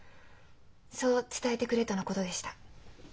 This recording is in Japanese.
そう伝えてくれとのことでした。